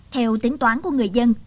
theo tính toán của người dân